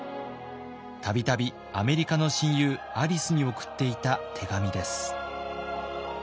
度々アメリカの親友アリスに送っていた手紙です。